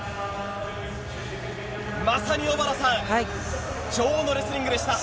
まさに、小原さん女王のレスリングでした。